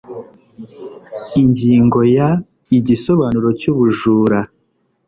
Ingingo ya Igisobanuro cy ubujura